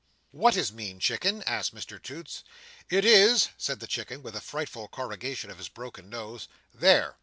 "What is mean, Chicken?" asked Mr Toots. "It is," said the Chicken, with a frightful corrugation of his broken nose. "There!